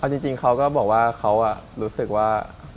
จริงเขาก็บอกว่าเขารู้สึกว่า